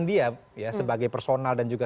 dia ya sebagai personal dan juga